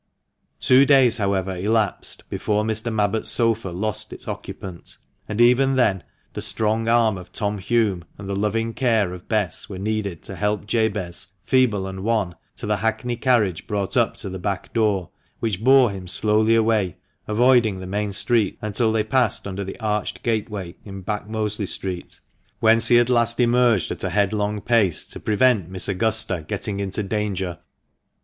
Two days, however, elapsed before Mr. Mabbott's sofa lost its occupant, and even then the strong arm of Tom Hulme and the loving care of Bess were needed to help Jabez, feeble and wan, to the hackney carriage brought up to the back door, which bore him slowly away, avoiding the main streets until they passed under the arched gateway in Back Mosley Street, whence he had last emerged at a headlong pace to prevent Miss Augusta getting into danger.